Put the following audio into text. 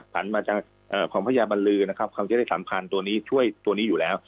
ผันมาจากของพระยาบรรลือความที่ได้สัมพันธ์ตัวนี้ช่วยตัวนี้อยู่แล้ว